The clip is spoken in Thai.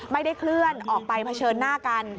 ไม่ได้เคลื่อนออกไปเผชิญหน้ากัน